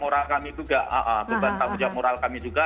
moral kami juga beban moral kami juga